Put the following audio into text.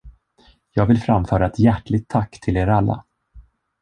Jag vill framföra ett hjärtligt tack till er alla.